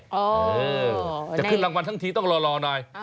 เออจะขึ้นรางวัลทั้งทีต้องรอหน่อย